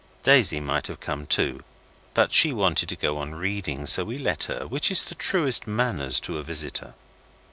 Daisy might have come too, but she wanted to go on reading, so we let her, which is the truest manners to a visitor.